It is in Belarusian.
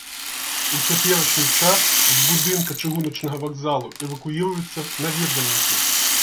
У цяперашні час з будынка чыгуначнага вакзалу эвакуіруюцца наведвальнікі.